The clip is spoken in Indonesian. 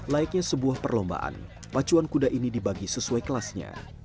laiknya sebuah perlombaan pacuan kuda ini dibagi sesuai kelasnya